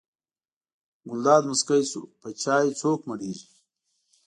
ګلداد موسکی شو: په چایو څوک مړېږي.